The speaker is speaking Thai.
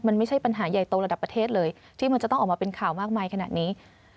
มันไม่ใช่ปัญหาใหญ่โตระดับประเทศเลยที่มันจะต้องออกมาเป็นข่าวมากมายขนาดนี้